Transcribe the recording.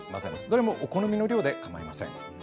どれもお好みの量で構いません。